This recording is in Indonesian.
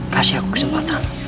kasih aku kesempatan